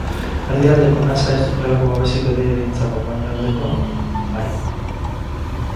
Erdialdeko nasa ez du inolako babesik bidaiarientzako, baino aldekoa bai.